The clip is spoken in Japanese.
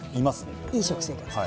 いい食生活です。